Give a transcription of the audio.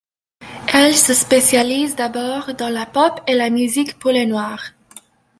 Elle se spécialise d'abord dans la pop et la musique pour les Noirs.